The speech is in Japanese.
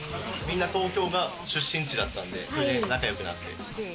皆、東京が出身地だったんでそれで仲良くなって。